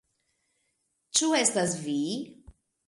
Ĉu estas vi?